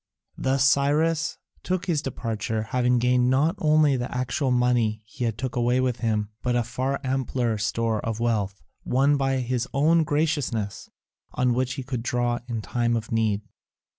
Thus Cyrus took his departure, having gained not only the actual money he took away with him, but a far ampler store of wealth, won by his own graciousness, on which he could draw in time of need.